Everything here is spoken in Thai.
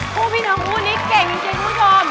ผู้พี่น้องรู้นิกเก่งจริงผู้ชม